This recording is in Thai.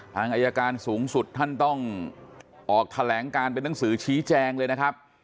อายการสูงสุดท่านต้องออกแถลงการเป็นนังสือชี้แจงเลยนะครับ